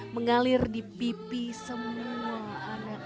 mengalir di pipi semua anak